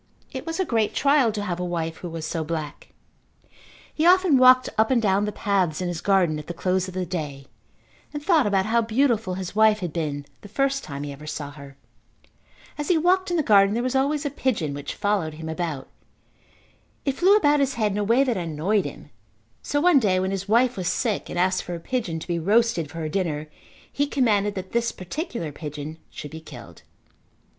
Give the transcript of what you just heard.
It was a great trial to have a wife who was so black. He often walked up and down the paths in his garden at the close of the day and thought about how beautiful his wife had been the first time he ever saw her. As he walked in the garden there was always a pigeon which followed him about. It flew about his head in a way that annoyed him, so one day when his wife was sick and asked for a pigeon to be roasted for her dinner he commanded that this particular pigeon should be killed.